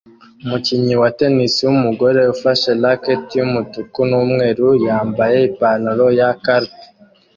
Umukinnyi wa tennis wumugore ufashe racket yumutuku numweru yambaye ipantaro ya carpi